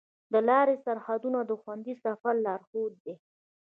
د لارې سرحدونه د خوندي سفر لارښود دي.